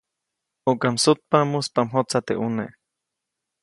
ʼUka msutpa, muspa mjotsa teʼ ʼune.